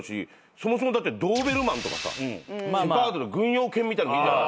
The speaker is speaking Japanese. そもそもだってドーベルマンとかさシェパードとか軍用犬みたいなのいるじゃない。